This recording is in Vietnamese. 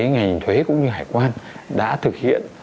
ngành thuế cũng như hải quan đã thực hiện